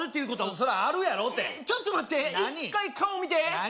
そりゃあるやろってえっちょっと待って１回顔見て何？